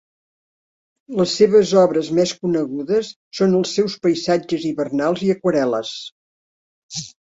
Les seves obres més conegudes són els seus paisatges hivernals i aquarel·les.